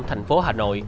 thành phố hà nội